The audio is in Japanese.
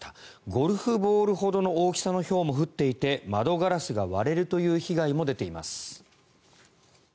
ゴルフボールほどの大きさのひょうも降っていて窓ガラスが割れるという被害も出ています。